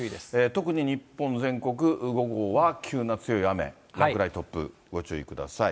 特に日本全国、午後は急な強い雨、落雷、突風、ご注意ください。